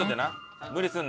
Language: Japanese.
無理するな。